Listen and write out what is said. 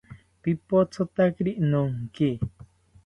Pipothotakiri nonki